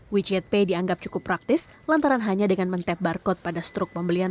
wechat pay dianggap cukup praktis lantaran hanya dengan men tap barcode pada struk pembelian